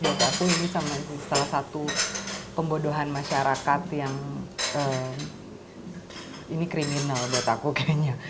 buat aku ini salah satu pembodohan masyarakat yang ini kriminal buat aku kayaknya